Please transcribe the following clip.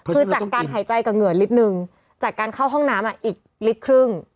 คือจากการหายใจกับเหงื่อนิดนึงจากการเข้าห้องน้ำอีกลิตรครึ่ง